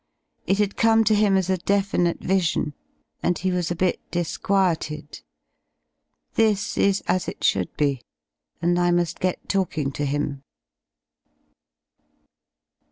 It had come to him as a definite vision, and he was a bit disquieted. This is as it should be, and I mu^ get talking to him.